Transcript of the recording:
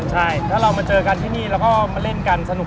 ใช่ถ้าเรามาเจอกันที่นี่เราก็มาเล่นกันสนุก